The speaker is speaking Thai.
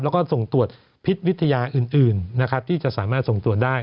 แล้วก็ส่งตรวจพิษวิทยาอื่นนะครับที่จะสามารถส่งตรวจได้